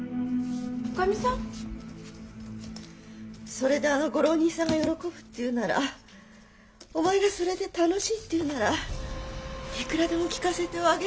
それであのご浪人さんが喜ぶっていうならお前がそれで楽しいっていうならいくらでも聞かせておあげ。